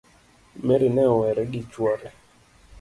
Mary ne owere gi chuore